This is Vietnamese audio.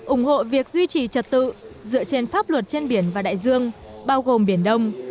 ủng hộ việc duy trì trật tự dựa trên pháp luật trên biển và đại dương bao gồm biển đông